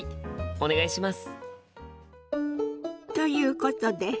お願いします。